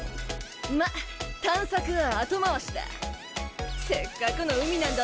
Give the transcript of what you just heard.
ま探索は後回しだせっかくの海なんだぜ？